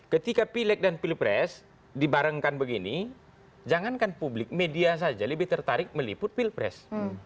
ketika pileg dan pilpres dibarengkan begini jangankan publik media saja lebih tertarik meliput pilpres